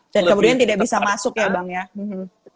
dan kemudian tidak bisa masuk ya bang